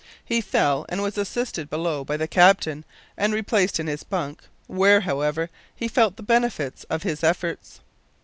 He fell, and was assisted below by the captain and replaced in his bunk, where, however, he felt the benefit of his efforts.